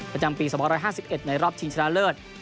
ประจำปี๒๕๑ในรอบชิงชนะเลิศ